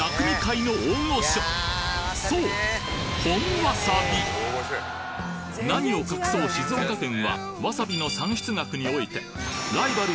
そう何を隠そう静岡県はわさびの産出額においてライバル